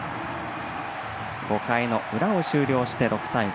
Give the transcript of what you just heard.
５回の裏を終了して６対５。